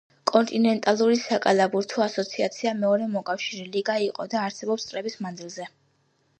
კონტინენტალური საკალათბურთო ასოციაცია მეორე მოკავშირე ლიგა იყო და არსებობდა წლების მანძილზე.